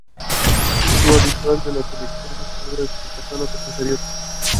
The album criticized the government of Robert Mugabe.